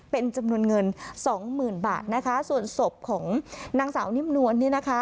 เป็นจำนวนเงินสองหมื่นบาทนะคะส่วนศพของนางสาวนิ่มนวลเนี่ยนะคะ